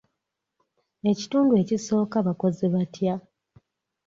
Ekitundu ekisooka bakoze batya?